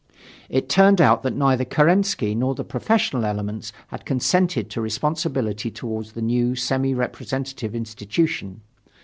It turned out that neither Kerensky nor the professional elements had consented to responsibility toward the new semi representative institution.